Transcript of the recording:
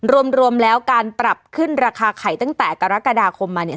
รวมแล้วการปรับขึ้นราคาไข่ตั้งแต่กรกฎาคมมาเนี่ย